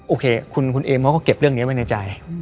โอเคคุณเอมเขาก็เก็บเรื่องนี้ไว้ในใจ